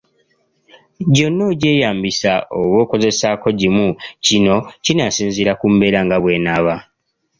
Gyonna ogyeyambisa oba okozesaako gimu, kino kinaasinziira ku mbeera nga bw’enaaba.